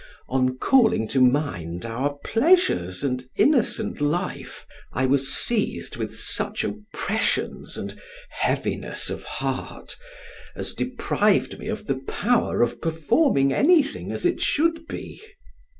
On calling to mind our pleasures and innocent life, I was seized with such oppressions and heaviness of heart, as deprived me of the power of performing anything as it should be.